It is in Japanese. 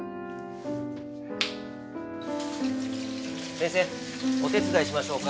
先生お手伝いしましょうか？